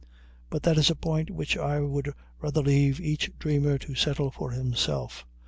But that is a point which I would rather leave each dreamer to settle for himself.